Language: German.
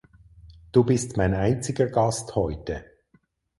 Du bist mein einziger Gast heute.